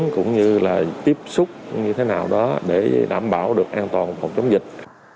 cũng như là tiếp xúc như thế nào đó để đảm bảo được an toàn phòng chống dịch